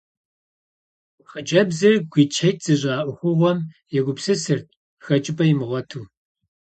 Хъыджэбзыр гуитӀщхьитӀ зыщӏа ӏуэхугъуэм егупсысырт, хэкӏыпӏэ имыгъуэту.